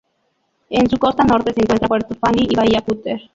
En su costa norte se encuentran puerto Fanny y bahía Cutter.